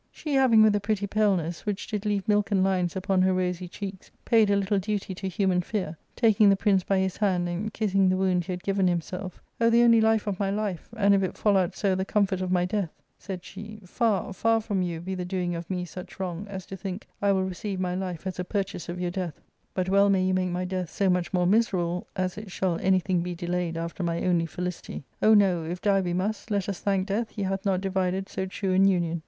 She having with a pretty paleness, which did leave milken lines upon her rosy cheeks, paid a little duty to human fear, taking the prince by his hand and kissing the wound he had given himself, " O the only life of my life, and, if it fall out so, the comfort of my death," said she, *' far, far from you be the doing of me such wrong as to think I will receive my life as a purchase of your death; but well may you make my death so much more miserable as it shall anything be delayed after my only felicity. Oh no, if die we must, let us thank death he hath not divided so true an union.